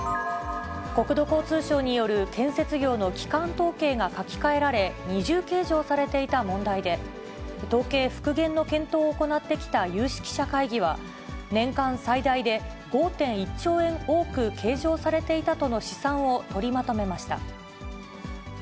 国土交通省による建設業の基幹統計が書き換えられ、二重計上されていた問題で、統計復元の検討を行ってきた有識者会議は、年間最大で５．１兆円多く計上されていたとの試算を取りまとめました。